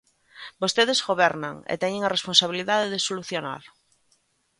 Vostedes gobernan e teñen a responsabilidade de solucionar.